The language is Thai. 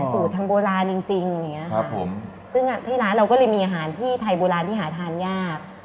สูตรทางโบราณจริงซึ่งที่ร้านเราก็เลยมีอาหารไทยโบราณที่หาทานยาก